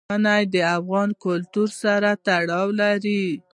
منی د افغان کلتور سره تړاو لري.